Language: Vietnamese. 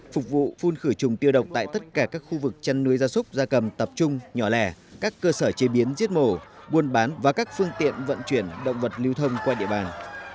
phục vụ phun khử trùng tiêu độc tại tất cả các khu vực chăn nuôi gia súc gia cầm tập trung nhỏ lẻ các cơ sở chế biến giết mổ buôn bán và các phương tiện vận chuyển động vật lưu thông qua địa bàn